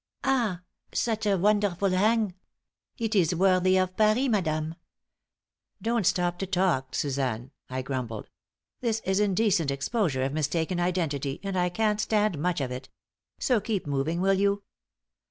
"Ah, such a wonderful hang! It is worthy of Paris, madame." "Don't stop to talk, Suzanne," I grumbled. "This is indecent exposure of mistaken identity, and I can't stand much of it; so keep moving, will you?"